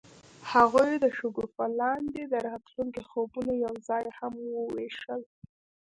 هغوی د شګوفه لاندې د راتلونکي خوبونه یوځای هم وویشل.